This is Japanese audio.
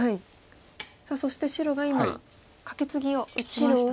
さあそして白が今カケツギを打ちましたね。